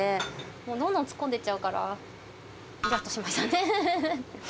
もうどんどん突っ込んでいっちゃうから、いらっとしましたね。